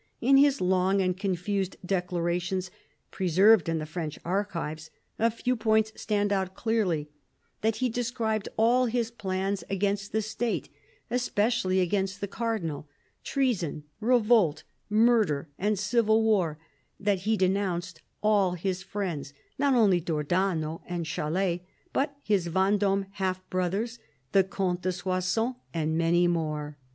In his long and confused declara tions, preserved in the French Archives, a few points stand out clearly : that he described all his plans against the State, especially against the Cardinal; treason, revolt, murder, and civil war : that he denounced all his friends, not only d'Ornano and Chalais, but his Vendome half brothers, the Comte de Soissons and many more.